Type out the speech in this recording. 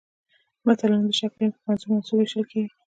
متلونه د شکل له مخې په منظوم او منثور ویشل کېږي